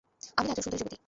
আমিনা একজন সুন্দরী যুবতী।